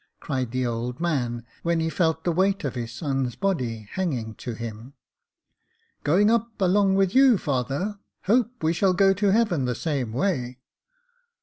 " cried the old man, when he felt the weight of his son's body hanging to him. *' Going up along with you, father — hope we shall go to heaven the same way."